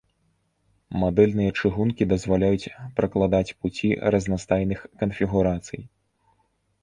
Мадэльныя чыгункі дазваляюць пракладаць пуці разнастайных канфігурацый.